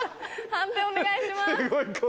判定お願いします。